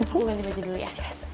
gue ganti baju dulu ya